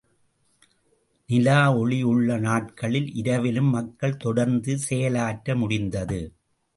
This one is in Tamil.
நிலா ஒளி உள்ள நாட்களில் இரவிலும் மக்கள் தொடர்ந்து செயலாற்ற முடிந்தது.